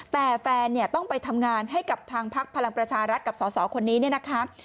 แต่แฟนเนี่ยต้องไปทำงานให้กับทางพักพลังประชารัฐกับสสคนนี้เนี่ยนะคะ